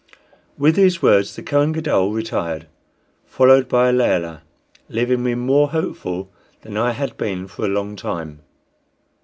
With these words the Kohen Gadol retired, followed by Layelah, leaving me more hopeful than I had been for a long time.